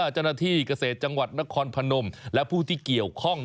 เจ้าหน้าที่เกษตรจังหวัดนครพนมและผู้ที่เกี่ยวข้อง